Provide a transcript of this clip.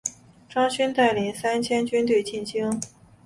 张勋带领三千军队进京。